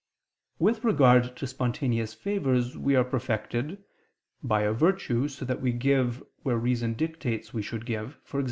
With regard to spontaneous favors we are perfected by a virtue, so that we give where reason dictates we should give, e.g.